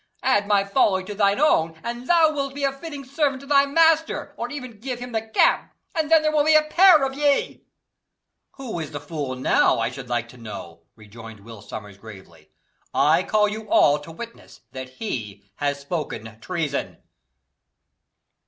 Add my folly to thy own, and thou wilt be a fitting servant to thy master; or e'en give him the cap, and then there will be a pair of ye." "Who is the fool now, I should like to know?" rejoined Will Sommers gravely. "I call you all to witness that he has spoken treason."